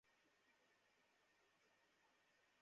সে সবসময় অযৌক্তিক কথা-বার্তা বলে।